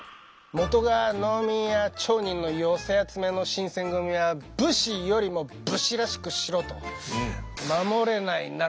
元が農民や町人の寄せ集めの新選組は武士よりも武士らしくしろと。